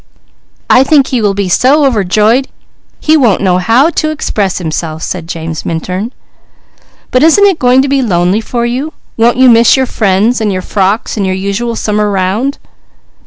"I think he will be so overjoyed he won't know how to express himself," said James Minturn. "But isn't it going to be lonely for you? Won't you miss your friends, your frocks, and your usual summer round?"